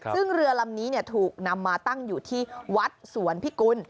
ซึ่งเรือลำนี้ถูกนำมาตั้งอยู่ที่วัดสวนพิกุล